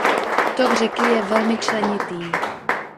Tok řeky je velmi členitý.